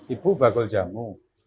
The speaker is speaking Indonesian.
ibu bakul jamu